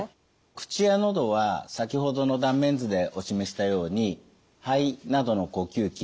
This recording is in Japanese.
口や喉は先ほどの断面図でお示ししたように肺などの呼吸器ですね